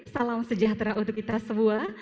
salam sejahtera untuk kita semua